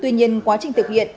tuy nhiên quá trình thực hiện